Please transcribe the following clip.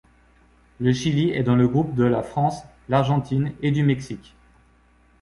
Le Chili est dans le groupe de la France, l'Argentine et du Mexique.